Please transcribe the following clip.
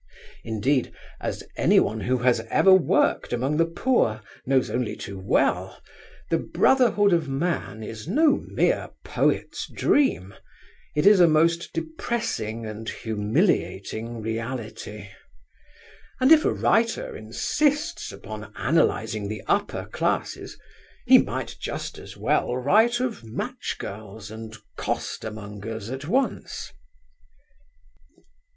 Indeed, as any one who has ever worked among the poor knows only too well, the brotherhood of man is no mere poet's dream, it is a most depressing and humiliating reality; and if a writer insists upon analysing the upper classes, he might just as well write of match girls and costermongers at once.